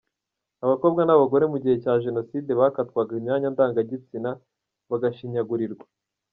Abakobwa n’abagore mu gihe cya Jenoside bakatwaga imyanya ndangagitsina bashinyagurirwa.